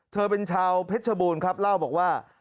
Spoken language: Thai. เธอเป็นชาวเพชรบูรณ์ครับเล่าบอกว่า